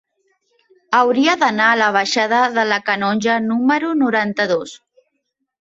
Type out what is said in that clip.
Hauria d'anar a la baixada de la Canonja número noranta-dos.